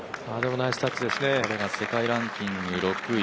彼が世界ランキング６位。